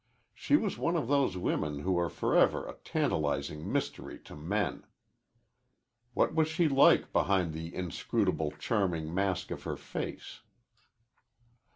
She was one of those women who are forever a tantalizing mystery to men. What was she like behind the inscrutable, charming mask of her face?